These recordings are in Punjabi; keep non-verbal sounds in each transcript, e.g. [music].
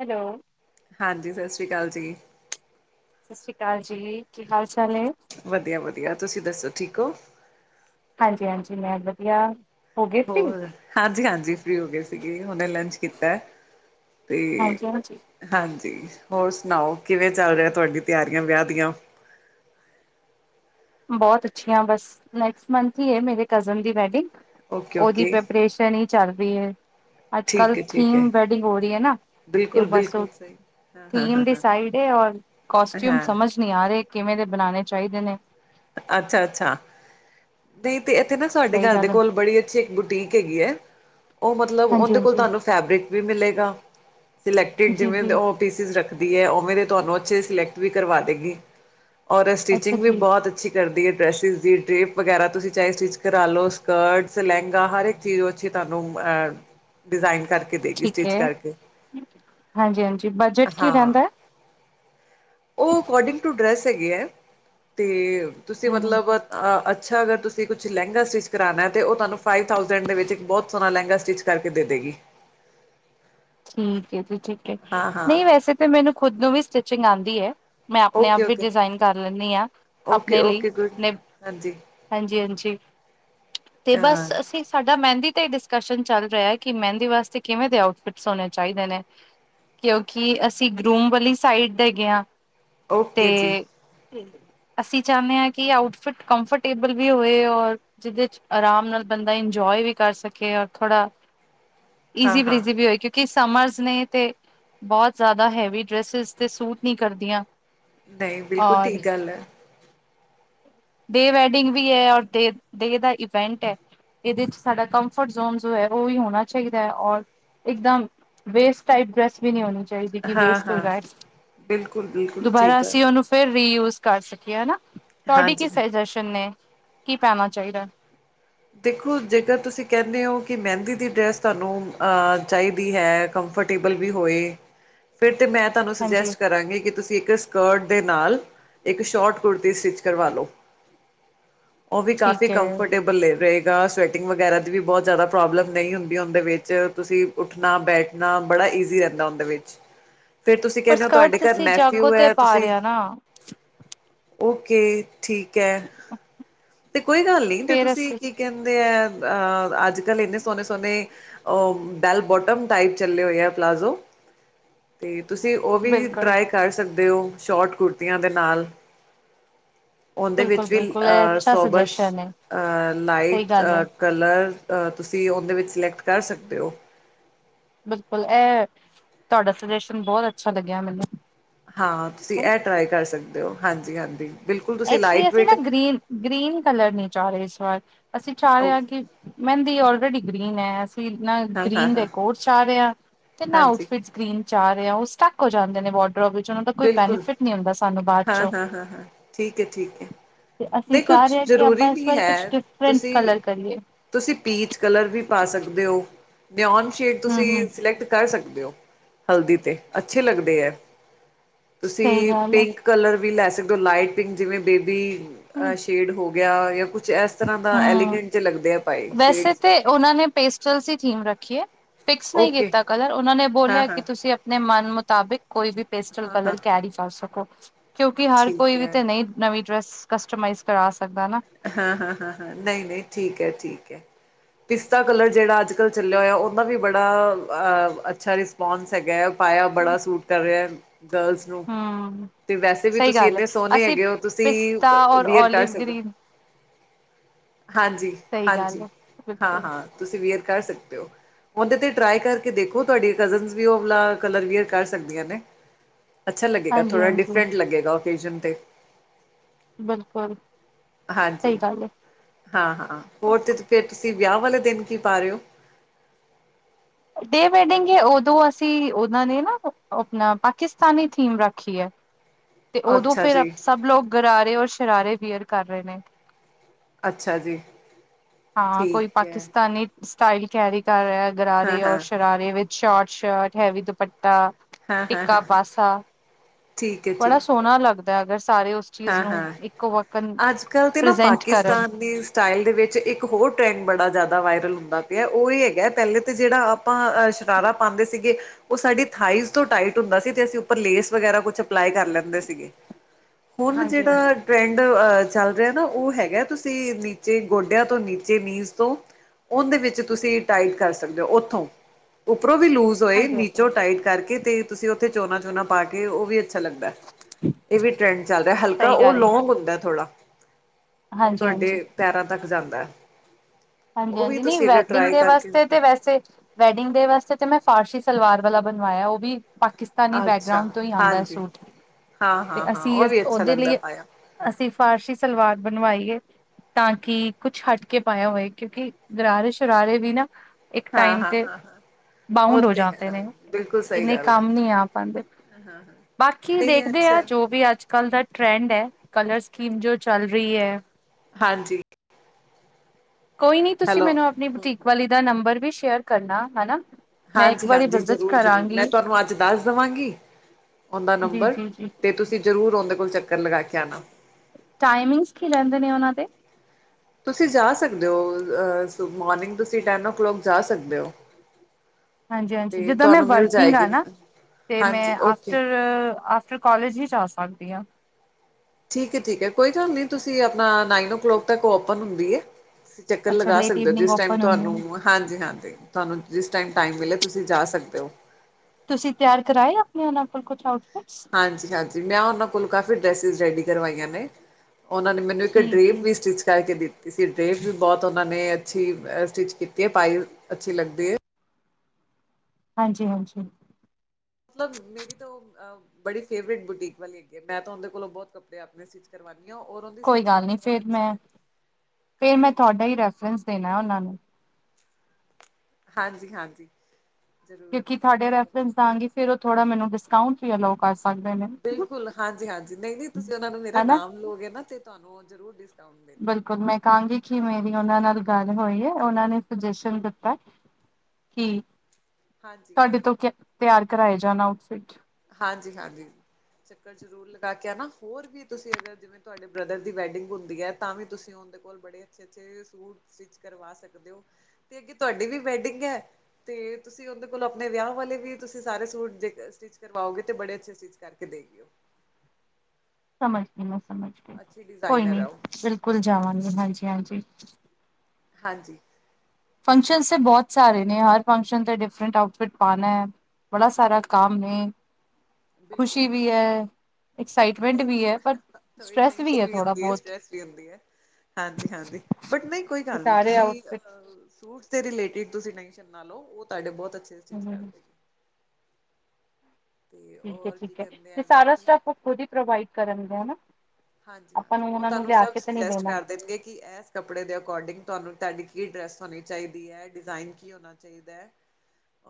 ਹੈਲੋ ਹਾਂਜੀ ਸਤਿ ਸ੍ਰੀ ਅਕਾਲ ਜੀ।। ਸਤਿ ਸ਼੍ਰੀ ਅਕਾਲ ਜੀ।।ਕੀ ਹਾਲ ਚਾਲ ਹੈ? ਵਧੀਆ ਵਧੀਆ ਤੁਸੀਂ ਦੱਸ, ਠੀਕ ਹੋ? ਹਾਂਜੀ ਹਾਂਜੀ ਮੈਂ ਵਧੀਆ, ਹੋ ਗਏ ਫ੍ਰੀ ਹੋਰ ਹਾਂਜੀ ਹਾਂਜੀ ਫ੍ਰੀ ਹੋ ਗਏ ਸੀਗੇ? ਹੁਨੇ ਲੰਚ ਕੀਤਾ ਤੇ ਹਾਂਜੀ ਹਾਂਜੀ ਹਾਂਜੀ। ਹੋਰ ਸੁਣਾਓ ਕਿਵੇਂ ਚੱਲ ਰਿਹਾ ਤੁਹਾਡੀ ਤਿਆਰੀਆਂ ਵਿਆਹ ਦੀਆਂ ਬਹੁਤ ਅੱਛੀਆਂ ਬਸ ਨੈਕਸਟ ਮੰਥ ਹੀ ਹੈ ਮੇਰੇ ਕਜ਼ਨ ਦੀ ਵੈਡਿੰਗ। ਓਕੇ ਉਹਦੀ ਓਕੇ ਪ੍ਰੈਪਰੇਸ਼ਨ ਹੀ ਚੱਲਦੀ। ਅੱਜ ਕੱਲ੍ਹ ਠੀਕ ਹੈ ਠੀਕ ਹੈ ਥੀਮ ਵੈਡਿੰਗ ਹੋ ਰਹੀ ਹੈ ਨਾ ਤੇ ਬਿਲਕੁਲ ਉਹ ਬਸ। ਬਿਲਕੁਲ ਸਹੀ ਹਾਂ ਹਾਂ ਹਾਂ ਥੀਮ ਡ ਸਾਈ ਔਰ ਹਾਂ ਕੋਸਟਿਊਮ ਸਮਝ ਹਾਂ ਨਹੀਂ ਆ ਰਹੇ ਕਿਵੇਂ ਦੇ ਬਣਾਉਣੇ ਚਾਹੀਦੇ ਨੇ। ਅੱਛਾ ਅੱਛਾ ਤੇ ਇੱਥੇ ਨਾ ਤੁਹਾਡੇ ਸਹੀ ਘਰ ਦੇ ਗੱਲ ਹੈ ਕੋਲ ਬੜੀ ਅੱਛੀ ਇੱਕ ਬੁਟੀਕ ਹੈਗੀ ਹੈ। ਉਹ ਮਤਲਬ ਹਾਂਜੀ ਉਹਦੇ ਕੋਲ ਹਾਂਜੀ ਤੁਹਾਨੂੰ ਫੈਬਰਿਕ ਵੀ ਮਿਲੇਗਾ ਸਕਟ ਜੀ ਜਿਵੇਂ ਜੀ ਪੀਸ ਹੈ ਉਹਵੇੇਰੇ ਤੁਹਾਨੂੰ ਅੱਛੇ ਸਿਲੈਕਟ ਵੀ ਕਰਵਾ ਦੇਗੀ ਔਰ ਅੱਛਾ ਸਟੀਿਚਿੰਗ ਵੀ ਜੀ ਬਹੁਤ ਅੱਛੀ ਕਰਦੀ ਹੈ ਡਰੈਸਿਸ ਦੀ ਡਰੇਪ ਵਗੈਰਾ ਤੁਸੀਂ ਚਾਹੇ ਸਟਿਚ ਕਰਾ ਲਓ ਸਕਰਟਸ ਲਹਿੰਗਾ ਹਰ ਇੱਕ ਚੀਜ਼ ਉੱਛੇ ਤੁਹਾਨੂੰ ਅਹ ਡਿਜ਼ਾਇਨ ਕਰਕੇ ਦੇਗੀ ਠੀਕ ਸਟਿਚ ਹੈ ਕਰਕੇ ਹਾਂਜੀ ਹਾਂਜੀ ਬਜਟ ਕੀ ਹਾਂ। ਰਹਿੰਦਾ ਉਹ ਅਕੋਰਡਿੰਗ ਟੂ ਡਰੈਸ ਹੈਗੀ ਹੈ, ਤੇ ਤੁਸੀਂ ਹੈ ਮਤਲਬ ਅੱਛਾ ਅਗਰ ਤੁਸੀਂ ਕੁਛ ਲਹਿੰਗਾ ਸਟਿਚ ਕਰਉਣਾ ਤਾਂ ਉਹ ਤੁਹਾਨੂੰ ਫਾਈਵ ਥਾਸਂ ਦੇ ਵਿੱਚ ਇੱਕ ਬਹੁਤ ਸੋਹਣਾ ਲਹਿੰਗਾ ਸਟਿੱਚ ਕਰਕੇ ਦੇਗੀ। ਹੀ ਠੀਕ ਹੈ ਜੀ, ਠੀਕ ਹੈ, ਹਾਂ ਹਾਂ ਨਹੀਂ ਵੈਸੇ ਤਾਂ ਮੈਨੂੰ ਖੁਦ ਨੂੰ ਵੀ ਸਟਿਚਿੰਗ ਆਂਦੀ ਹੈ। ਮੈਂ, ਆਪਣੇ ਆਪ ਓਕੇ ਵੀ ਓਕੇ ਡਿਜ਼ਾਇਨ ਕਰ ਲੈਂਨੀ ਆਂ, ਓਕੇ ਆਪਣੇ ਲਈ ਓਕੇ ਗੁੱਡ ਨੇ, ਹਾਂਜੀ ਹਂਜੀ -ਹਂਜੀ। ਤੇ ਬਸ ਹਾਂ ਅਸੀਂ ਸਾਡਾ, ਮਹਿੰਦੀ ਤੇ ਡਿਸਕਸ਼ਨ ਚੱਲ ਰਿਹੈ, ਕਿ ਮਹਿੰਦੀ ਵਾਸਤੇ ਕਿਵੇਂ ਦੇ ਸੋਨੇ ਚਾਹੀਦੇ ਨੇ। ਕਿਉਂਕਿ ਅਸੀਂ ਗਰੂਮ ਵਾਲੀ ਸਾਈਡ ਦੇਗੇ ਹ ਓਕੇ ਜੀ। ਹ ਅਸੀਂ ਚਾਨੇ ਹਾਂ ਕਿ, ਆਊਟਫਿਟ ਕੰਫਰਟੇਬਲ ਵੀ ਹੋਏ, ਔਰ ਜਿਹਦੇ ਚ ਆਰਾਮ ਨਾਲ ਬੰਦਾ ਇੰਜੋ ਵੀ ਕਰ ਸਕੇਆ ਥੋੜਾ, ਹਾਂ ਇਜ਼ੀ- ਹਾਂ ਬ੍ਰਿਜ਼ੀ ਵੀ ਹੋ ਕਿ ਸਮਰਸ ਨੇ, ਤੇ ਬੋਤ ਜ਼ਿਆਦਾ ਹੈਵੀ ਡਰੈਸਿਸ ਤੇ- ਸੂਟ ਨੀ ਕਰਦੀਆਂ ਨਹੀਂ, ਬਿਲਕੁਲ ਔਰ ਠੀਕ ਗੱਲ ਹੈ। ਡੇ ਵੈਡਿੰਗ ਵੀ ਹੈ, ਔਰ ਡੇ ਡੇ ਦਾ ਇਵੈਂਟ ਹੈ। ਇਹਦੇ ਚ ਸਾਡਾ ਕੰਫਰਟ ਜ਼ੋਨ ਜੋ ਹੈ ਓ ਵੀ ਹੋਣਾ ਚਾਹੀਦਾ ਹੈ ।ਔਰ ਇੱਕਦਮ, ਵੇਸਟ ਟਾਈਪ ਡਰੈਸ ਵੀ ਨਈ ਹੋਣੀ ਚ ਚਾਹੀਦੀ ਕਿ ਹਾਂ ਵੇਸਟ ਹੋ ਹਾਂ ਜਾਏ, ਬਿਲਕੁਲ ਬਿਲਕੁਲ ਦੁਬਾਰਾ ਠੀਕ ਗੱਲ ਅਸੀਂ ਉਹਨੂੰ ਫੇਰ ਰੀਯੂਜ ਕਰ ਸਕੀਏ, ਹਨਾ। ਹਾਂ ਤੁਹਾਡੀ ਕੀ ਸਜੈਸ਼ਨ ਨੇ ਕੀ ਪਾਣਾ ਚਾਹੀਦਾ। ਦੇਖੋ ਜੇਕਰ ਤੁਸੀਂ ਕਹਿੰਦੇ ਹੋ ਮਹਿੰਦੀ ਦੀ ਡਰੈਸ ਤੁਹਾਨੂੰ ਅ ਚਾਹੀਦੀ ਹੈ ਕੰਫਰਟੇਬਲ ਵੀ ਹੋਏ ਫੇਰ ਤੇ ਮੈਂ ਤੁਹਾਨੂੰ ਹਾਂਜੀ ਸੁਜੈਸਟ ਕਰਾਂਗੀ ਕਿ ਤੁਸੀਂ ਸਕਰਟ ਦੇ ਨਾਲ ਇੱਕ ਸ਼ਾਰਟ ਕੁੜਤੀ ਸਟਿੱਚ ਕਰਵਾ ਲਓ। ਉਹ ਵੀ ਕਾਫੀ ਠੀਕ ਹੈ ਕੰਫਰਟੇਬਲੇ। ਰਹੇਗਾ ਸਵੈਟਿੰਗ ਵਗੈਰਾ ਦੀ ਵੀ ਬਹੁਤ ਜ਼ਿਆਦਾ ਪ੍ਰੋਬਲਮ ਨਹੀਂ ਹੁੰਦੀ ਉਹਦੇ ਵਿੱਚ ਤੁਸੀਂ ਉੱਠਣਾ ਬੈਠਣਾ ਬੜਾ ਈਜ਼ੀ ਰਹਿੰਦਾ ਉਹਦੇ ਵਿੱਚ। ਫਿਰ ਤੁਸੀਂ ਪਰ ਕਹਿੰਦੇ ਹੋ ਸਕਰਟ ਤੁਹਾਡੇ ਤੇ ਘਰ ਅਸੀ, ਜਾਗੋ ਨੈਫਿਊ ਤੇ ਹੈ ਪਾ ਤੁਸੀਂ ਰੇਆ ਨਾ ਓਕੇ ਠੀਕ ਹੈ। ਤੇ ਕੋਈ ਗੱਲ ਨੀ, ਤੇ ਫੇਰ ਤੁਸੀਂ ਅਸੀਂ [unintelligible] ਅੱਜ-ਕੱਲ ਇੰਨੇ ਸੋਨੇ- ਸੋਨੇ ਅ ਬੈਲ ਬੋਟਮ, ਟਾਈਪ ਚੱਲੇ ਹੋਏ ਆ ਪਲਾਜ਼ੋ। ਤੇ ਤੁਸੀਂ ਓ ਵੀ ਬਿਲਕੁਲ ਟਰਾਈ ਕਰ ਸਕਦੇ ਓ, ਸ਼ੋਟ ਕੁਰਤੀਆਂ ਦੇ ਨਾਲ। ਓਂਦੇ ਬਿਲਕੁਲ ਵਿੱਚ ਵੀ, ਬਿਲਕੁਲ ਇਹ ਅ ਅੱਛਾ ਸੋਬਰਸ਼ ਸਜੈਸ਼ਨ ਹੈ ਅ ਸਹੀ ਲਾੲਟ ਅ, ਗੱਲ ਹੈ ਕਲਰ ਅ, ਤੁਸੀਂ ਓਦੇ ਵਿੱਚ ਸਿਲੈਕਟ ਕਰ ਸਕਦੇ ਹੋ। ਬਿਲਕੁਲ ਐਹ ਤੁਹਾਡਾ ਸੁਜੈਸ਼ਨ, ਬੋਤ ਅੱਛਾ ਲੱਗਿਆ ਮੈਨੂੰ। ਹਾਂ, ਤੁਸੀਂ ਹਨਾ ਇਹ ਟਰਾਈ ਕਰ ਸਕਦੇ ਹੋ, ਹਾਂਜੀ-ਹਾਂਜੀ। ਐਕਚੁਲੀ -ਅਸੀਂ ਨਾ ਗ੍ਰੀਨ, ਗ੍ਰੀਨ ਕਲਰ ਨੀ ਚਾ ਰਹੇ ਇਸ ਵਾਰ ਅਸੀਂ ਚਾਹ ਰਹੇ ਹਾਂ ਕਿ, ਮੈਂਦੀ ਓਲਰੇਡੀ ਗ੍ਰੀਨ ਐ ਨਾ ਹਾਂ ਗ੍ਰੀਨ ਹਾਂ ਡੈਕੋਰ ਚਾਹ ਰਿਹਾ, ਤੇ ਨਾ ਹਾਂਜੀ ਆਊਟਫਿਟ ਗ੍ਰੀਨ ਚਾਹ ਰਿਹਾ। ਓਸ ਸਟੱਕ, ਹੋ ਜਾਂਦੇ ਨੇ ਬੋਡਰੋ ਵਿੱਚ ਉਹਨਾਂ ਦਾ ਕੋਈ ਬਿਲਕੁਲ ਬੈਨੀਫਿਟ ਨਹੀਂ ਹੁੰਦਾ ਸਾਨੂੰ, ਬਾਅਦ ਹਾਂ ਚੋਂ। ਹਾਂ ਹਾਂ ਹਾਂ ਠੀਕ ਹੈ -ਠੀਕ ਹੈ, ਤੇ ਅਸੀਂ ਨਹੀਂ ਚਾਹ ਕੁਛ ਰਹੇ ਹਾਂ ਕਿ ਜ਼ਰੂਰੀ ਆਪਾਂ ਇਸ ਨੀ ਵਾਰ ਕੁਛ ਹੈ ਡਿਫਰੈਂਟ ਤੁਸੀਂ ਕਲਰ ਕਰੀਏ ਤੁਸੀਂ, ਪੀਚ ਕਲਰ ਵੀ ਪਾ ਸਕਦੇ ਹੋ। ਨਿਓਨ ਸ਼ੇਕ ਹਮ ਤੁਸੀਂ ਹਮ ਸਿਲੈਕਟ ਕਰ ਸਕਦੇ ਓ, ਹਲਦੀ ਤੇ- ਅੱਛੇ ਲੱਗਦੇ ਹੈ। ਸਹੀ ਤੁਸੀਂ, ਗੱਲ ਹੈ ਪਿੰਕ ਕਲਰ ਵੀ ਲੈ ਸਕਦੇ ਹੋ, ਲਾਈਟ ਪਿੰਕ, ਜਿਵੇਂ ਬੇਬੀ ਆ ਸ਼ੇਡ ਹੋ ਗਿਆ। ਜਾਂ ਕੁਛ ਐਸ ਤਰ੍ਹਾਂ ਦਾ, ਹਮ ਐਲੀਗੈਂਟ ਜ ਲੱਗਦੇ ਆ ਪਾਏ, ਵੈਸੇ ਸ਼ੇਡਸ ਕੀਏ, ਫਿਕਸ ਨਹੀਂ ਓਕੇ ਕੀਤਾ ਕਲਰ, ਓਨਾਂ ਨੇ ਹਾਂ ਬੋਲਿਆ ਹਾਂ ਕਿ- ਤੁਸੀਂ ਆਪਣੇ ਮਨ ਮੁਤਾਬਿਕ ਕੋਈ ਵੀ, ਪੇਸਟਲ ਹਾਂ ਕਲਰ ਹਾਂ ਕੈਰੀ ਕਰ ਸਕੋ। ਕਿਉਂਕਿ ਹਰ ਕੋਈ ਠੀਕ ਵੀ ਹੈ ਤੇ ਨਹੀਂ ਨਵੀਂ ਡਰੈਸ, ਕਸਟਮਾਈਜ਼ ਕਰਾ ਸਕਦਾ ਨਾ। ਹਾਂ-ਹਾਂ-ਹਾਂ-ਹਾਂ, ਨਹੀਂ-ਨਹੀਂ, ਠੀਕ ਹੈ-ਠੀਕ ਹੈ। ਪਿਸਤਾ ਕਲਰ, ਜੇੜਾ ਅੱਜ-ਕੱਲ੍ਹ ਚੱਲਿਆ ਹੋਇਆ ।ਓਦਾ ਵੀ ਬੜਾ, ਅ--ਅੱਛਾ ਰਿਸਪੋਂਸ ਹੈਗੈ। ਪਾਇਆ ਬੜਾ ਸੂਟ ਕਰ ਰਿਹਾ ।ਗ੍ਲਸ ਨੂੰ ਹਮ ਤੇ ਵੈਸੇ ਵੀ, ਸਹੀ ਤੁਸੀਂ ਗੱਲ ਹੈ ਇੰਨੇ ਸੋਣੇ ਅਸੀਂ ਹੈਗੇ ਹੋ, ਤੁਸੀਂ ਪਿਸਤਾ ਔਰ ਵੀਅਰ ਕਰ ਓਲਿਵ ਸਕਦੇ ਹੋ। ਗ੍ਰੀਨ ਸਹੀ ਗੱਲ ਹਾਂਜੀ-ਹਾਂਜੀ, ਹੈ ਬਿਲਕੁਲ ਹਾਂ-ਹਾਂ, ਤੁਸੀਂ ਵੀਅਰ ਕਰ ਸਕਦੇ ਹੋ। ਓਦੇ ਤੇ ਟ੍ਰਾਈ ਕਰਕੇ ਦੇਖੋ, ਤੁਆਡੀ ਕਜ਼ਨ ਵੀ -ਔ ਵਲਾ ਕਲਅਰ ਵੀਅਰ ਕਰ ਸਕਦੀਆਂ ਨੇ। ਅੱਛਾ ਲੱਗੇਗਾ, ਹਾਂਜੀ ਥੋੜਾ ਹਾਂਜੀ ਡਿਫਰੈਂਟ ਲੱਗੇਗਾ, ਓਕੇਜਨ ਤੇ ਬਿਲਕੁਲ ਹਾਂਜੀ, ਸਹੀ ਗੱਲ ਹੈ। ਹਾਂ-ਹਾਂ, ਹੋਰ ਤੇ ਫੇਰ ਤੁਸੀਂ ਵਿਆਹ ਵਾਲੇ ਦਿਨ, ਕੀ ਪਾ ਰਹੇ ਹੋ? ਪ੍ਰੀ ਵੈਡਿੰਗ ਹੈ, ਓਦੋਂ ਅਸੀਂ, ਓਨਾਂ ਨੇ ਨਾ -ਆਪਣਾ ਪਾਕਿਸਤਾਨੀ ਥੀਮ ਰੱਖੀ ਹੈ। ਤੇ ਓਦੋਂ ਅੱਛਾ ਫਿਰ, ਜੀ, ਸਭ ਲੋਗ ਗਰਾਰੇ ਔਰ ਸ਼ਰਾਰੇ ਵਿਅਰ ਕਰ ਰਹੇ ਨੇ ਅੱਛਾ ਜੀ, ਹਾਂ, ਕੋਈ ਠੀਕ ਹੈ। ਪਾਕਿਸਤਾਨੀ ਸ ਸਟਾਈਲ ਕੈਰੀ ਕਰ ਰਿਹਾ ਗਰਾਰੇ ਔਰ ਹਾਂ-ਹਾਂ, ਸ਼ਰਾਰੇ ਵਿ ਸ਼ਾਰਟ ਸ਼ਰਟ ਹੈਵੀ ਦੁਪੱਟ ਟਾ ਟਿੱਕਾ ਹਾਂ-ਹਾਂ-ਹਾਂ, ਪਾਸਾ ਠੀਕ ਹੈ, ਬੜਾ ਠੀਕ ਹੈ ਸੋਹਣਾ ਜੀ। ਲੱਗਦਾ ਅਗਰ ਸਾਰੇ ਉਸ ਚੀਜ਼ ਨੂੰ ਇੱਕੋ ਵਅਰ ਅੱਜ ਕੱਲ ਤੇ ਨਾ ਪਾਕਿਸਤਾਨ ਦੀ ਸਟਾਈਲ ਦੇ ਵਿੱਚ ਇੱਕ ਹੋਰ ਟ੍ਰੈਂਡ ਬੜਾ ਜਾਦਾ ਵਾਇਰਲ ਹੁੰਦਾ ਪਿਆ ਓਈ ਹੈਗਾ ਪਹਿਲੇ ਤਾਂ ਜੇੜਾ ਆਪਾਂ ਅਹ ਸ਼ਰਾਰਾ ਪਾਂਦੇ ਸੀਗੇ ਓ ਸਾਡੀ ਥਾਈਜ਼ ਤੋਂ ਟਾਈਟ ਹੁੰਦਾ ਸੀ ਤੇ ਅਸੀਂ ਉੱਪਰ ਲੇਸ ਵਗੈਰਾ ਕੁਛ ਅਪਲਾਈ ਕਰ ਲੈਂਦੇ ਸੀਗੇ। ਹੁਣ ਹਾਂਜੀ ਜਿਹੜਾ ਹਾਂਜੀ ਟਰੈਂਡ ਅਹ ਚੱਲ ਰਿਆ ਨਾ ਓ ਹੈਗਾ ਤੁਸੀਂ ਨੀਚੇ ਗੋਡਿਆਂ ਤੋਂ ਨੀਚੇ ਨੀਂਜ਼ ਤੋਂ ਓਂਦੇ ਵਿੱਚ ਤੁਸੀਂ ਟਾਈਟ ਕਰ ਸਕਦੇ ਓਥੋ ਉੱਪਰੋਂ ਵੀ ਲੂਜ਼ ਹੋਏ ਹਾਂਜੀ ਹਾਂਜੀ ਨੀਚੋਂ ਟਾਈਟ ਕਰਕੇ ਤੇ ਤੁਸੀਂ ਉੱਥੇ ਝੋਨਾ ਝੋਨਾ ਪਾ ਕੇ ਓ ਵੀ ਅੱਛਾ ਲੱਗਦਾ ਏ ਵੀ ਟਰੈਂਡ ਚੱਲ ਰਿਐ ਹਲਕਾ ਸਹੀ ਓ ਗੱਲ ਲੋਂਗ ਹੁੰਦਾ ਹੈ ਥੋੜਾ। ਓ ਹਾਂਜੀ ਹਾਂਜੀ ਤੁਹਾਡੇ ਪੈਰਾਂ ਤੱਕ ਜਾਂਦਾ। ਹਾਂਜੀ ਉਹ ਵੀ ਹਾਂਜੀ ਨਈ ਤੁਸੀਂ ਅਗਰ ਵੈਡਿੰਗ ਟਰਾਈ ਦੇ ਕਰਕੇ ਵਾਸਤੇ ਤੇ ਵੈਸੇ ਵੈਡਿੰਗ ਦੇ ਵਾਸਤੇ ਤੇ ਮੈਂ ਫਾਰਸੀ ਸਲਵਾਰ ਵਾਲਾ ਬਣਵਾਇਆ ਓ ਵੀ ਪਾਕਿਸਤਾਨੀ ਅੱਛਾ ਬੈਕਗਰਾਉਂਡ ਤੋਂ ਈ ਆਂਦਾ ਹਾਂਜੀ ਸੂਟ ਹਾਂ ਤੇ ਹਾਂ ਹਾਂ ਅਸੀਂ ਉਹ ਇਸ ਵੀ ਅੱਛਾ ਓਦੇ ਲੱਗਦਾ ਲਈ ਪਾਇਆ ਅਸੀਂ ਫਾਰਸ਼ੀ ਸਲਵਾਰ ਬਣਵਾਈਏ। ਤਾਂ ਕਿ ਕੁੱਛ ਹਟ ਕੇ ਪਾਇਆ ਹੋਏ ਕਿਉਂਕਿ ਗਰਾਰੇ ਸ਼ਰਾਰੇ ਵੀ ਨਾ ਇੱਕ ਹਾ ਟਾਈਮ ਹਾ ਤੇ ਹਾ ਹਾ ਬਾਊਂਡ ਹੋ ਜਾਂਦੇ ਨੇ ਇੰਨੇ ਗੱਲ ਹੈ ਕੰਮ ਨੀ ਆ ਪਾਂਦੇ ਬਾਕੀ ਨਹੀਂ ਦੇਖਦੇ ਆ ਅੱਛਾ ਜੋ ਵੀ ਅੱਜ ਕੱਲ ਦਾ ਟਰੈਂਡ ਐ ਕਲਰ ਸਕੀਮ ਜੋ ਚੱਲ ਰੀ ਐ ਹਾਂਜੀ। ਕੋਈ ਨੀ ਤੁਸੀਂ ਹੈਲੋ ਮੈਨੂੰ ਆਪਣੀ ਬੁਟੀਕ ਵਾਲੀ ਦਾ ਨੰਬਰ ਵੀ ਸ਼ੇਅਰ ਕਰਨਾ ਹਨਾਂ। ਹਾਂਜੀ ਹਾਂਜੀ ਜ਼ਰੂਰ ਜ਼ਰੂਰ ਮੈਂ ਤੁਹਾਨੂੰ ਅੱਜ ਦੱਸ ਦਵਾਂਗੀ। ਓਦਾ ਜੀ ਨੰਬਰ ਜੀ ਜੀ ਤੇ ਤੁਸੀਂ ਜਰੂਰ ਓਦੇ ਕੋਲ ਚੱਕਰ ਲਗਾ ਕੇ ਆਣਾ। ਟਾਈਮਿੰਗਸ ਕੀ ਰੇਂਦੇ ਨੇ ਓਨਾਂ ਦੇ ਤੁਸੀਂ ਜਾ ਸਕਦੇ ਓ ਅ ਮੋਰਨਿੰਗ ਤੁਸੀਂ ਟੈਨ ਓ ਕਲੋਕ ਜਾ ਸਕਦੇ ਓ। ਹਾਂਜੀ ਹਾਂਜੀ ਜਿੱਦਾਂ ਮੈਂ ਵਰਕਿੰਗ ਆ ਨਾ ਤੇ ਮੈਂ ਹਾਂਜੀ ਓਕੇ ਆਫਟਰ ਆਫਟਰ ਕਾਲਜ ਈ ਜਾ ਸਕਦੀ ਆ। ਠੀਕ ਐ ਠੀਕ ਐ ਕੋਈ ਗੱਲ ਨੀ ਤੁਸੀਂ ਆਪਣਾ ਨਾਈਨ ਓ ਕਲੋਕ ਤੱਕ ਓਪਨ ਹੁੰਦੀ ਐ ਚੱਕਰ ਅੱਛਾ ਲਗਾ ਲੇਟ ਸਕਦੇ ਓ ਈਵਨਿੰਗ ਜਿਸ ਟਾਈਮ ਓਪਨ ਹੁੰਦੇ ਨੇ ਤੁਹਾਨੂੰ ਹਾਂਜੀ-ਹਾਂਜੀ ਤੁਹਾਨੂੰ ਜਿਸ ਟਾਈਮ ਟਾਈਮ ਮਿਲੇ ਤੁਸੀਂ ਜਾ ਸਕਦੇ ਓ ਤੁਸੀਂ ਤਿਆਰ ਕਰਾਏ ਆਪਣੇ ਓਨਾ ਕੋਲ ਕੁੱਛ ਆਉਟ ਹਾਂਜੀ ਹਾਂਜੀ ਮੈਂ ਓਨਾਂ ਕੋਲ ਕਾਫੀ ਡ੍ਰੈਸਿਸ ਰੈਡੀ ਕਰਵਾਈਆਂ ਨੇ। ਓਨਾਂ ਨੇ ਮੈਨੂੰ ਇੱਕ ਠੀਕ ਡਰੇਪ ਹੈ ਵੀ ਸਟਿਚ ਕਰਕੇ ਦਿੱਤ ਤੀ ਸੀ ਡਰੇਪ ਵੀ ਬੋਤ ਓਨਾਂ ਨੇ ਅੱਛੀ ਸਟਿਚ ਕੀਤੀ ਐ ਪਾਈ ਅੱਛੀ ਲੱਗਦੀ ਐ। ਹਾਂਜੀ ਹਾਂਜੀ ਮਤਲਬ ਮੇਰੀ ਤਾਂ ਓ ਅ ਬੜੀ ਫੇਵਰੇਟ ਬੁਟੀਕ ਵਾਲੀ ਹੈਗੀ ਐ ਮੈਂ ਤਾਂ ਓਦੇ ਕੋਲੋਂ ਬੋਤ ਕੱਪੜੇ ਆਪਣੇ ਸਟਿਚ ਕਰਵਾਨੀ ਆ ਔਰ ਉਹਦੀ ਕੋਈ ਸਟਿਚਿੰਗ ਵੀ ਗੱਲ ਨੀ ਬਹੁਤ ਫੇਰ ਅੱਛੀ ਮੈਂ ਹੈ ਫੇਰ ਮੈਂ ਕੱਪੜੇ ਤੁਹਾਡਾ ਹੀ ਰੈਫਰੈਂਸ ਦੇਣਾ ਓਨਾਂ ਨੂੰ। ਹਾਂਜੀ ਹਾਂਜੀ ਕਿਉਂਕਿ ਤੁਹਾਡੇ ਰੈਫਰਸ ਦਾਂਗੀ ਫਿਰ ਓ ਥੋੜਾ ਮੈਨੂੰ ਡਿਸਕਾਊਟ ਵੀ ਅਲੋ ਕਰ ਸਕ ਬਿਲਕੁੱਲ ਹਾਂਜੀ ਹਾਂਜੀ ਨਈ ਨਈ ਤੁਸੀਂ ਓਨਾ ਨੂੰ ਮੇਰਾ ਨਾਮ ਲਓਗੇ ਨਾ ਤੇ ਤੁਹਾਨੂੰ ਓ ਜ਼ਰੂਰ ਡਿਸ਼ ਬਿਲਕੁੱਲ ਮੈਂ ਕਹਾਂਗੀ ਕਿ ਮੇਰੀ ਓਨਾਂ ਨਾਲ ਗੱਲ ਹੋਈ ਐ ਓਨਾਂ ਨੇ ਸੁਜੈਸ਼ਨ ਦਿੱਤਾ ਕਿ ਤੁਹਾਡੇ ਤੋਂ ਹਾਂਜੀ-ਹਾਂਜੀ ਕੇ ਤਿਆਰ ਕਰਾਏ ਜਾਣ ਆਊਟਫਿਟ। ਹਾਂਜੀ ਹਾਂਜੀ ਚੱਕਰ ਜ਼ਰੂਰ ਲਗਾ ਕੇ ਆਨਾ ਹੋਰ ਵੀ ਤੁਸੀਂ ਅਗਰ ਜਿਵੇਂ ਤੁਹਾਡੇ ਬ੍ਰਦਰ ਦੀ ਵੈਡਿੰਗ ਹੁੰਦੀ ਐ ਤਾਂ ਵੀ ਤੁਸੀਂ ਓ ਓਦੇ ਕੋਲ ਬੜੇ ਅੱਛੇ ਅੱਛੇ ਸੂਟ ਸਟਿਚ ਕਰਵਾ ਸਕਦੇ ਓ ਤੇ ਅੱਗੇ ਤੁਹਾਡੀ ਵੀ ਵੈਡਿੰਗ ਐ ਤੇ ਤੁਸੀ ਓਦੇ ਕੋਲੋਂ ਆਪਨੇ ਵੇਆ ਵਾਲੇ ਵੀ ਤੁਸੀ ਸਾਰੇ ਸੂਟ [inaudible] ਸਟਿਚ ਕਵਾਓਗੇ ਤੇ ਬੜੇ ਅੱਛੇ ਸਚੀਚ ਕਰਕੇ ਦੇਗੀ ਓ ਸਮਝ ਗੀ ਮੈਂ ਸਮਝ ਗਈ, ਕੋਈ ਡਿਜ਼ਾਇਨਰ ਨੀ ਹੈ ਉਹ ਬਿਲਕੁੱਲ ਜਾਵਾਂਗੀ ਹਾਂਜੀ, ਹਾਂਜੀ [unintelligible] ਹਾਂਜੀ। ਫੰਸ਼ਨਸ ਤੇ ਬੋਤ ਸਾਰੇ ਨੇ ਹਰ ਫੰਕਸ਼ਨ ਤੇ ਡਿਫਰੈਂਟ ਆਊਟਫਿਟ ਪਾਨਾ ਬੜਾ ਸਾਰਾ ਕੰਮ ਏ, ਖੁਸ਼ੀ ਵੀ ਐ ਟੇਨਸ਼ਨ [inaudible] ਥੋੜੀ ਟੇਨਸ਼ਨ ਵੀ ਹੁੰਦੀ ਐ ਸਟੈਰਸ ਵੀ ਹੁੰਦੀ ਐ ਹਾਂਜੀ, ਹਾਂਜੀ ਬਟ ਨਈ ਕੋਈ ਗੱਲ ਨੀ, ਤੁਸੀ ਅ ਸੂਟਸ ਰਿਲੇਟਡ ਤੁਸੀ ਟੈਂਸਨ ਨਾ ਲਓ ਓ ਤਾਡੇ ਬੋਤ ਅੱਛੇ ਸਾਟੀਚ ਹੂੰ ਕਰਦੇ ਠੀਕ ਐ, ਔਰ ਕੀ ਠੀਕ ਐ, ਕਹਿੰਦੇ ਤੇ ਆ ਵਿਆਹ ਸਾਰਾ ਦੀਆਂ ਸਟਫ ਓ ਖੁਦ ਹੀ ਪ੍ਰੋਵਾਈਡ ਕਰਨਗੇ ਹਨਾ ਹਾਂਜੀ, ਆਪਾਂ ਹਾਂਜੀ ਨੂੰ ਓ ਉਹਨਾਂ ਨੂੰ ਤਾਨੂੰ ਲਿਆ ਸਭ ਕੇ ਤੇ ਨੀ ਸੁਜੈਸਟ ਦੇਣਾ ਕਰ ਦੇਨਗੇ ਕਿ ਐਸ ਕੱਪੜੇ ਦੇ ਅਕੋਡਿੰਗ ਤੋਆਨੂੰ ਤੈਡੀ ਕੀ ਡਰੈੱਸ ਹੋਣੀ ਚਾਹੀਦੀ ਹੈ ਡਿਜ਼ਾਇਨ ਕੀ ਹੋਣਾ ਚਾਹੀਦਾ ਹੈ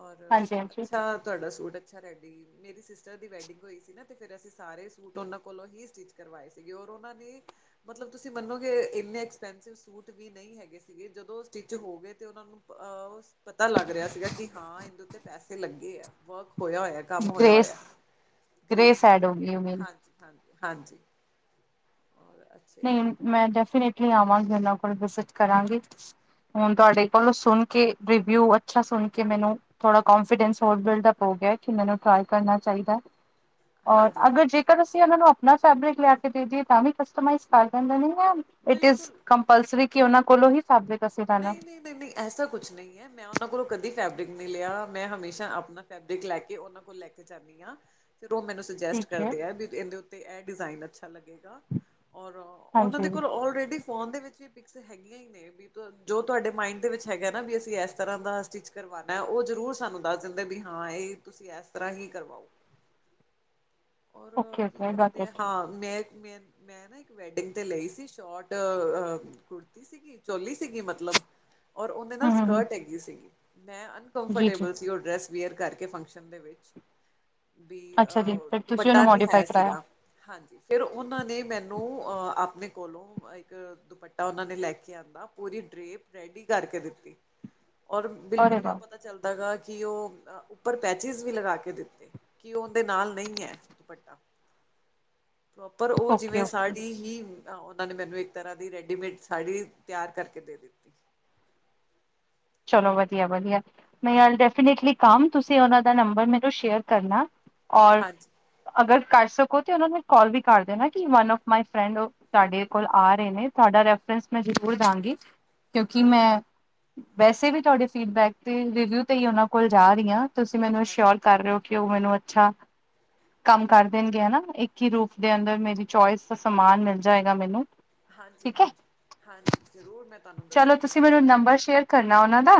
ਔਰ ਹਾਂਜੀ ਹਾਂਜੀ ਅੱਛਾ ਤੁਹਾਡਾ ਸੂਟ ਅੱਛਾ ਰੇਡੀ ਮੇਰੀ ਸਿਸਟਰ ਦੀ ਵੈਡਿੰਗ ਹੋਈ ਸੀ ਨਾ ਤੇ ਫੇਰ ਅਸੀਂ ਸਾਰੇ ਸੂਟ ਉਹਨਾਂ ਕੋਲੋਂ ਹੀ ਸਟਿਚ ਕਰਵਾਏ ਸੀ ਉਹਨਾਂ ਨੇ ਮਤਲਬ ਤੁਸੀਂ ਮੰਨੋ ਕਿ ਇੰਨੇ ਐਕਸਪੈਂਸਿਵ ਸੂਟ ਵੀ ਨਹੀਂ ਹੈਗੇ ਸੀਗੇ ਜਦੋਂ ਸਟਿਚ ਹੋ ਗਏ ਤੇ ਓਨਾਂ ਨੂੰ ਅ ਪਤਾ ਲੱਗ ਰੇਆ ਸੀਗਾ ਕਿ ਹਾਂ ਇਦੇ ਉੱਤੇ ਪੈਸੇ ਲੱਗੇ ਆ ਵਕ ਹੋਏਆ, ਹੋਏਆ ਕੰਮ ਹੋਏਆ, ਗ੍ਰੇਸ ਹੋਏਆ ਗ੍ਰੇਸ ਕਰੀਸ ਐਡ ਹੋ ਗਈ ਹੈ ਮੇਰੀ ਹਾਂਜੀ, ਹਾਂਜੀ, ਹਾਂਜੀ ਔਰ ਅੱਛੇ ਨਈ ਮੈਂ ਡੈਫੀਨੇਟਲੀ ਆਵਾਂਗੀ ਓਨਾਂ ਕੋਲ ਵਿਜਿਟ ਕਰਾਂਗੀ ਹੁਨ ਤੁਆਡੇ ਜ਼ਰੂਰ ਕੋਲੋਂ ਸੋਨ ਕੇ ਰਿਵਿਊ ਅੱਛਾ ਸੁਨ ਕੇ ਮੈਨੂੰ ਥੋੜਾ ਕੋਂਫੀਡੈਂਸ ਹੋਰ ਬਿਲਡਪ ਹੋ ਗਿਆ ਕਿ ਮੈਨੂੰ ਟਰਾਏ ਕਰਨਾ ਚਾਈਦਾ [unintelligible] ਓਰ ਹਾਂਜੀ ਅਗਰ ਜੇਕਰ ਅਸੀਂ ਓਨਾਂ ਨੂੰ ਆਪਨਾ ਫੈਬਰਿਕ ਲਿਆ ਕੇ ਦੇ ਦੇਈਏ ਤਾਂ ਵੀ ਕਸਟਮਾਈਜ਼ ਕਰ ਦੇਂਦੇ ਨੇ [unintelligible] ਇਟ ਇਜ਼ ਬਿਲਕੁਲ ਕੰਪਲਸਰੀ ਕਿ ਓਨਾਂ ਕੋਲੋਂ ਹੀ ਫੈਬਰਿਕ ਅਸੀਂ ਲੈਣਾ ਨਈ, ਨਈ, ਨਈ, ਨਈ, ਐਸਾ ਕੁਛ ਨਈ ਐ, ਮੈਂ ਓਨਾਂ ਕੋਲੋਂ ਕਦੀ ਫੈਬਰਿਕ ਨੀ ਲੇਆ ਮੈਂ ਹਮੇਸ਼ਾ ਆਪਨਾ ਫੈਬਰਿਕ ਲੈ ਕੇ ਓਨਾਂ ਕੋਲ ਲੈ ਕੇ ਜਾਨੀ ਆਂ ਫਿਰ ਓ ਮੈਨੂੰ ਸੁਜੈਸਟ ਠੀਕ ਹੈ ਕਰਦੇ ਆ ਵੀ ਏਹਦੇ ਉੱਤੇ ਏਹ ਡਿਜ਼ਾਇਨ ਅੱਛਾ ਲੱਗੇਗਾ। ਔਰ, ਓਨਾਂ ਹਾਂਜੀ ਦੇ ਕੋਲ ਓਲਰੇਡੀ ਫੋਨ ਦੇ ਵਿੱਚ ਵੀ ਪਿਕਸ ਹੈਗੀਆਂ ਈ ਨੇ ਵੀ ਜੋ ਤੁਆਡੇ ਮਾਇੰਡ ਦੇ ਵਿੱਚ ਹੈਗਾ ਨਾ ਵੀ ਅਸੀਂ ਐਸ ਤਰਾ ਦਾ ਸਟਿਚ ਕਰਵਾਨਾ, ਓ ਜ਼ਰੂਰ ਸਾਨੂੰ ਦੱਸ ਦਿੰਦੇ ਵੀ ਹਾਂ ਹਾਂ ਏ, ਤੁਸੀ ਐਸ ਤਰਾ ਹੀ ਕਰਵਾਓ [unintelligible] ਹੋਰ ਓਕੇ ਕੀ ਓਕੇ ਗਾਟ ਕੈਂਦੇ ਇਟ ਹਾਂ ਮੈਂ ਮੇ ਮੈਂ ਨਾ ਇੱਕ ਵੈਡਿੰਗ ਤੇ ਲਈ ਸੀ ਸ਼ੋਟ ਅ ਕੁੜਤੀ ਸੀਗੀ ਚੋਲੀ ਸੀਗੀ ਮਤਲਬ ਓਰ ਉਦੇ ਨਾਲ ਹਮ ਹਮ ਹਮ ਸਕਟ ਹੈਗੀ ਸੀਗੀ, ਮੈਂ ਜੀ ਜੀ ਅਨਕਫੰਟੇਬਲ ਸੀ ਓ ਡਰੈਸ ਵੇਅਰ ਕਰਕੇ ਫੰਕਸ਼ਨ ਦੇ ਵਿੱਚ ਬੀ ਅੱਛਾ ਜੀ ਅ ਫਿਰ ਤੁਸੀਂ ਦੁਪੱਟਾ ਉਹਨੂੰ ਨੀ ਹੈ ਮੋਡੀਫਾਈ ਕਰਾਇਆ ਸੀਗਾ ਹਾਂਜੀ, ਫੇਰ ਓਨਾ ਨੇ ਮੈਨੂੰ ਆਪਨੇ ਕੋਲੋਂ ਇੱਕ ਦੁਪੱਟਾ ਓਨਾ ਨੇ ਲੈ ਕੇ ਆਂਦਾ, ਪੂਰੀ ਡਰੇਪ ਰੈਡੀ ਕਰਕੇ ਦਿੱਤੀ [inaudible] ਔਰ ਅਰੇ ਬਿਲਕੁਲ ਨੀ ਓ ਵਾਹ ਪਤਾ ਚੱਲਦਾ ਹੈਗਾ ਕਿ ਓ ਉੱਪਰ ਪੈਚਿਸ ਵੀ ਲਗਾ ਕੇ ਦਿੱਤੇ ਕਿ ਓਦੇਂ ਨਾਲ ਨਈ ਐ। ਦੁਪੱਟਾ, ਪ੍ਰੋਪਰ ਓ ਓਕੇ ਜਿਵੇਂ ਓਕੇ ਸਾੜੀ ਹੀ ਉਹਨਾਂ ਨੇ ਮੈਨੂੰ ਇੱਕ ਤਰ੍ਹਾਂ ਦੀ ਰੈਡੀਮੇਡ ਸਾੜੀ ਤਿਆਰ ਕਰਕੇ ਦੇ ਦਿੱਤੀ ਚਲੋ ਵਦੀਆ, ਵਦੀਆ ਮੈਂ ਯਾਰ ਡੈਫੀਨੇਟਲੀ ਕੰਮ ਤੁਸੀ ਓਨਾ ਦਾ ਨੰਬਰ ਮੈਨੂੰ ਸ਼ੇਅਰ ਕਰਨਾ ਓਰ ਹਾਂਜੀ ਅਗਰ ਕਾਰ ਸਕੋ ਤੇ ਓਨਾ ਨੂੰ ਕਾਲ ਵੀ ਕਰ ਦੇਨਾ ਕਿ ਵਨ ਆਫ ਮਾਏ ਫਰੈਂਡ ਤਾਡੇ ਕੋਲ ਆ ਰਏ ਨੇ ਤਾਡਾ ਮੈ, ਮੈ ਜਰੂਰ ਦਾਂਗੀ ਕਯੋਂਕਿ ਓਕੇ ਮੈ, ਵੈਸੇ ਵੀ ਤੁਆਡੇ ਫੀਡਬੈਕ ਤੇ ਰਿਵਿਊ ਤੇ ਈ ਓਨਾਂ ਕੋਲ ਜਾ ਰੀ ਆਂ। ਤੁਸੀ ਮੈਨੂੰ ਹਾਂਜੀ ਸ਼ਓਰ ਕਰ ਰੇ ਓ ਕਿ ਓ ਮੈਨੂੰ ਅੱਛਾ ਕੰਮ ਕਰ ਦੇਣਗੇ ਹੈਨਾ, ਇੱਕ ਹੀ ਰੂਫ ਦੇ ਅੰਦਰ ਮੇਰੀ ਚੋਇਸ ਦਾ ਸਮਾਨ ਮਿਲ ਜਾਏਗਾ ਮੈਨੂੰ। ਹਾਂਜੀ ਠੀਕ ਐ। ਹਾਂਜੀ ਹਾਂਜੀ ਜ਼ਰੂਰ ਮੈਂ ਤੁਹਾਨੂੰ ਚਲੋ ਦੱਸਾਂਗੀ ਤੁਸੀਂ ਉਹਨਾਂ ਮੈਨੂੰ ਬਾਰੇ ਨੰਬਰ ਸ਼ੇਅਰ ਕਰਨਾ ਔਨਾਂ ਦਾ।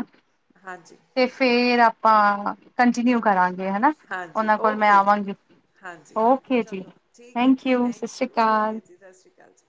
ਹਾਂਜੀ ਤੇ ਫੇਰ ਆਪਾਂ ਹਾਂ, ਕੰਟੀਨਿਊ ਕਰਾਂਗੇ ਹੈਨਾ। ਹਾਂਜੀ ਔਨਾਂ ਕੋਲ ਮੈਂ ਓਕੇ ਜੀ ਆਵਾਂਗੀ। ਹਾਂਜੀ, ਓਕੇ ਜੀ ਚਲੋ ਠੀਕ ਐ ਜੀ। ਸਤਿ ਥੈਂਕ ਸ਼੍ਰੀ ਯੂ। ਅਕਾਲ ਔਕੇ ਜੀ, ਸਸ ਸ਼੍ਰੀ ਕਾਲ ਜੀ।